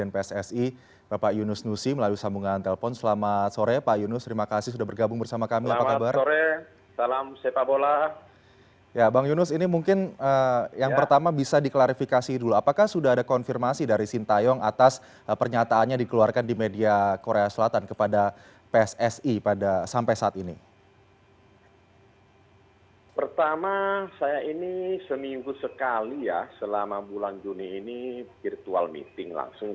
pertama saya ini seminggu sekali ya selama bulan juni ini virtual meeting langsung